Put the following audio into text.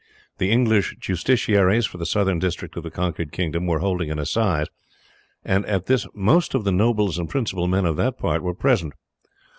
The English justiciaries for the southern district of the conquered kingdom were holding an assize, and at this most of the nobles and principal men of that part were present.